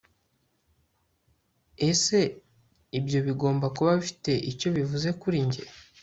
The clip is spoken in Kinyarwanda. ese ibyo bigomba kuba bifite icyo bivuze kuri njye